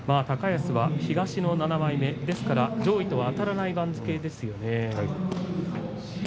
高安は東の７枚目上位とはあたらない番付ですよね。